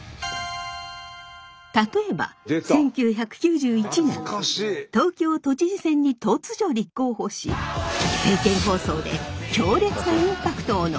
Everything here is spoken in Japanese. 例えば１９９１年東京都知事選に突如立候補し政見放送で強烈なインパクトを残しました。